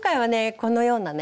このようなね